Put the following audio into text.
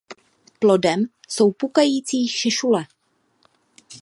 Plodem jsou pukající šešule.